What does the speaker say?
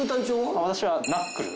私はナックル。